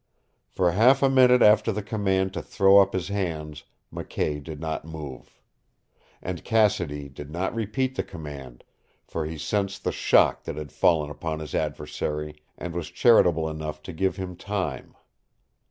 For half a minute after the command to throw up his hands McKay did not move. And Cassidy did not repeat the command, for he sensed the shock that had fallen upon his adversary, and was charitable enough to give him time.